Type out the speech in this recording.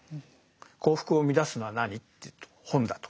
「幸福を生み出すのは何？」っていうと本だと。